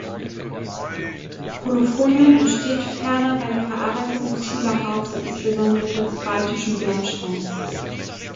Kolophonium entsteht ferner bei der Verarbeitung fossiler Harze, insbesondere des Baltischen Bernsteins.